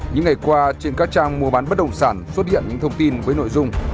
những ngày qua trên các trang mua bán bất đồng sản xuất hiện những thông tin với nội dung